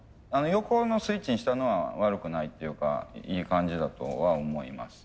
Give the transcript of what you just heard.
横のスイッチにしたのは悪くないっていうかいい感じだとは思います。